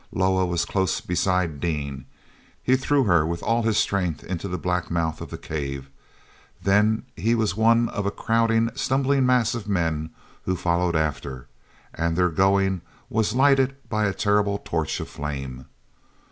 Loah was close beside Dean; he threw her with all his strength into the black mouth of the cave, then he was one of a crowding, stumbling mass of men who followed after, and their going was lighted by a terrible torch of flame.